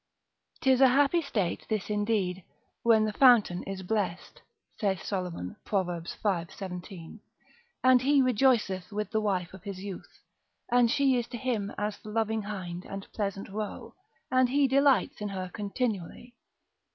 'Tis a happy state this indeed, when the fountain is blessed (saith Solomon, Prov. v. 17.) and he rejoiceth with the wife of his youth, and she is to him as the loving hind and pleasant roe, and he delights in her continually.